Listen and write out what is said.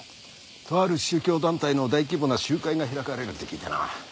とある宗教団体の大規模な集会が開かれるって聞いてな。